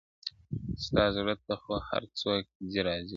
ستا زړه ته خو هر څوک ځي راځي گلي~